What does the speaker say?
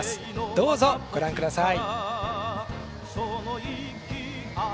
どうぞご覧ください。